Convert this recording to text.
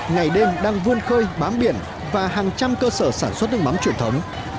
ngày đêm đang vươn khơi bám biển và hàng trăm cơ sở sản xuất nước mắm truyền thống